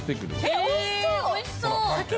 へぇおいしそう。